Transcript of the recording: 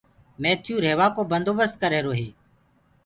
ميٿيو ريهوآ ڪو بندوبست ڪرريهرو هي